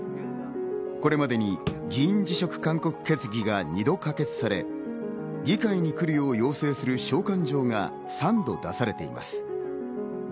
これまでに議員辞職勧告決議が２度可決され、議会に来るよう要請する召喚状が３度出されています。